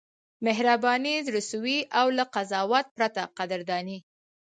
مهرباني، زړه سوی او له قضاوت پرته قدرداني: